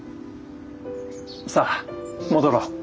さあ戻ろう。